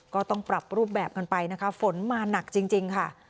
ก็ต้องปรับรูปแบบกันไปนะคะฝนมาหนักจริงค่ะ